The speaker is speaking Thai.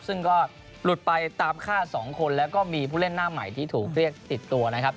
ซึ่งก็หลุดไปตามฆ่า๒คนแล้วก็มีผู้เล่นหน้าใหม่ที่ถูกเรียกติดตัวนะครับ